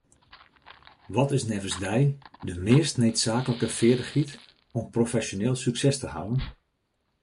Wat is neffens dy de meast needsaaklike feardichheid om profesjoneel sukses te hawwen?